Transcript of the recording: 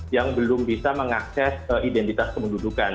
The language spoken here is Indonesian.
yang belum bisa mengakses identitas kependudukan